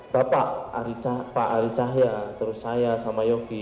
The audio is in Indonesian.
bapak pak ari cahya terus saya sama yogi